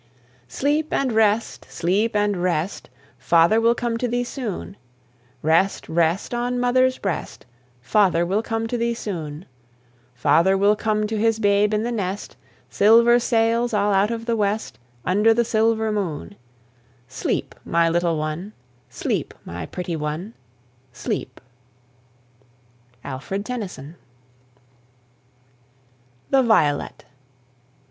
Sleep and rest, sleep and rest, Father will come to thee soon; Rest, rest, on mother's breast, Father will come to thee soon; Father will come to his babe in the nest, Silver sails all out of the west Under the silver moon: Sleep, my little one, sleep, my pretty one, sleep. ALFRED TENNYSON. THE VIOLET.